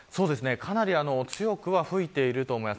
かなり強く吹いていると思います。